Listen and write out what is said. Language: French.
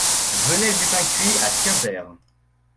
Venelle du Pain Cuit à Quimper